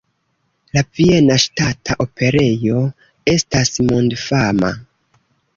La Viena Ŝtata Operejo estas mondfama.